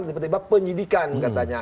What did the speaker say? tiba tiba penyidikan katanya